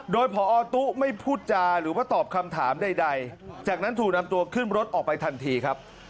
โดยพอตู้ไม่พูดจาหรือว่าตอบคำถามใดจากนั้นถูกนำตัวขึ้นรถออกไปทันทีครับ